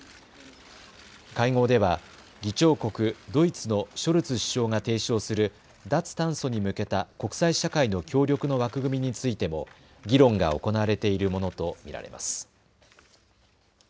会合では議長国ドイツのショルツ首相が提唱する脱炭素に向けた国際社会の協力の枠組みについても議論が行われているものと見られます。